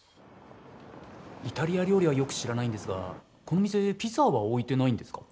イタリア料理はよく知らないんですがこの店ピザは置いてないんですか？